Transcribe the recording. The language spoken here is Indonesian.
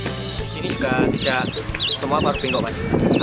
di sini juga tidak semua maru binggo mas